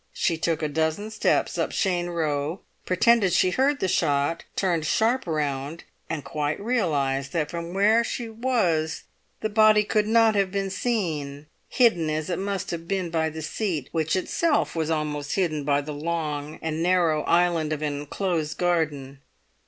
She took a dozen steps up Cheyne Row, pretended she heard the shot, turned sharp round, and quite realised that from where she was the body could not have been seen, hidden as it must have been by the seat, which itself was almost hidden by the long and narrow island of enclosed garden.